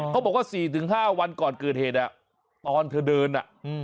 อ๋อเขาบอกว่าสี่ถึงห้าวันก่อนเกิดเหตุอ่ะตอนเธอเดินอ่ะอืม